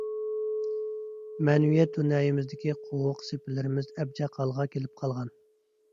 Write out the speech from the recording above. مەنىۋىيەت دۇنيايىمىزدىكى قوۋۇق - سېپىللىرىمىز ئەبجەق ھالغا كېلىپ قالغان.